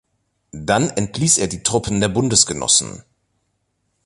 Dann entließ er die Truppen der Bundesgenossen.